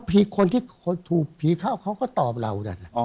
พี่คนที่ถูกผีเขาก็ตอบเรา